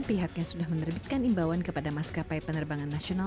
pihaknya sudah menerbitkan imbauan kepada mas kapai penerbangan nasional